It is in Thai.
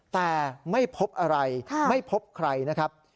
แต่ไม่พบอะไรไม่พบใครนะครับ